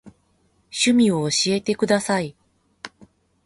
趣味を教えてください。